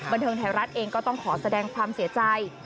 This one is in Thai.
บันเทิงไทยรัฐเองก็ต้องขอแสดงความเสียใจ